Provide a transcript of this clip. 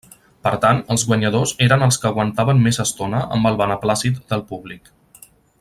Per tant, els guanyadors eren els que aguantaven més estona amb el beneplàcit del públic.